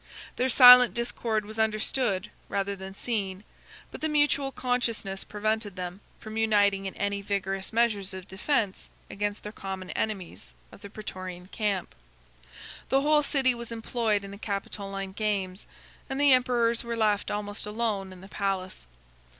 Their silent discord was understood rather than seen; 43 but the mutual consciousness prevented them from uniting in any vigorous measures of defence against their common enemies of the Prætorian camp. The whole city was employed in the Capitoline games, and the emperors were left almost alone in the palace.